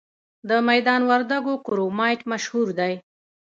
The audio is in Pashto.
د میدان وردګو کرومایټ مشهور دی؟